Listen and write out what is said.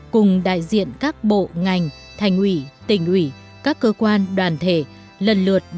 cùng đại diện các bộ ngành thành ủy tỉnh ủy các cơ quan đoàn thể